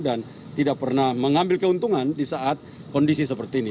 dan tidak pernah mengambil keuntungan di saat kondisi seperti ini